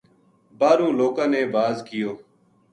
باہروں لوکاں نے واز کیو